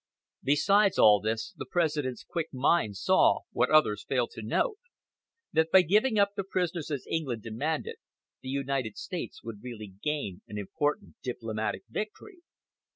Besides all else, the President's quick mind saw, what others failed to note, that by giving up the prisoners as England demanded, the United States would really gain an important diplomatic victory.